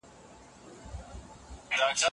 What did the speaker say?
استادان د محصلینو د لاري څراغونه دي.